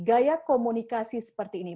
gaya komunikasi seperti ini